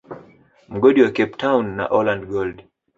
Mgodi wa Cape town na Orland Gold